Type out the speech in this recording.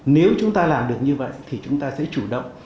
nếu chúng ta làm được như vậy thì chúng ta sẽ chủ động